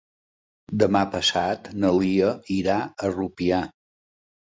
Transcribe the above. Demà passat na Lia irà a Rupià.